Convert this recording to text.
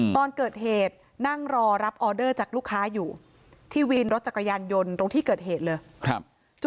ตอนเกิดเหตุนั่งรอรับออเดอร์จากลูกค้าอยู่ที่วินรถจักรยานยนต์ตรงที่เกิดเหตุเลยครับ